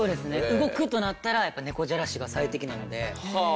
動くとなったらやっぱ猫じゃらしが最適なので。